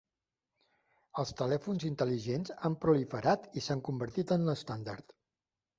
Els telèfons intel·ligents han proliferat i s'han convertit en l'estàndard.